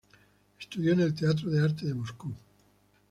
Estudió en el Teatro de Arte de Moscú.